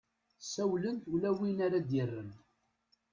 ssawlent ula win ara ad-yerren